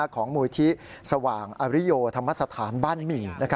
ของมูลที่สว่างอริโยธรรมสถานบ้านหมี่